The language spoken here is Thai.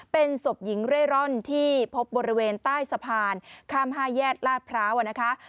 เป็นศพหญิงเร่ร่อนที่พบบริเวณใต้สะพานข้าม๕แยกลาดพร้าวนะคะ